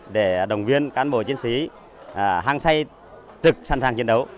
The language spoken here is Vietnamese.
để đồng viên cán bộ chiến sĩ hăng say trực sẵn sàng chiến đấu